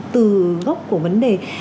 từ gốc của vấn đề